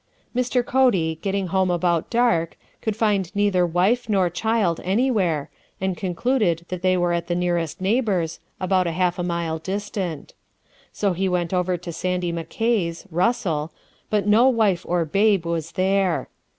Mr. Cody, getting home about dark, could find neither wife nor child anywhere, and concluded that they were at the nearest neighbor's, about half a mile distant. So he went over to Sandy MacKay's (Russell), but no wife or babe was there.